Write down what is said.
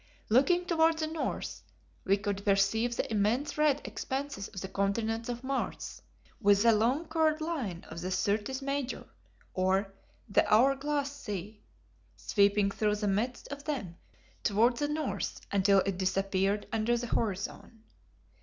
Looking toward the north, we could perceive the immense red expanses of the continents of Mars, with the long curved line of the Syrtis Major, or "The Hour Glass Sea," sweeping through the midst of them toward the north until it disappeared under the horizon.